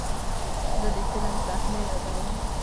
زه د فلم صحنه یادوم.